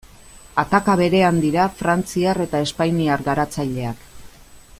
Ataka berean dira frantziar eta espainiar garatzaileak.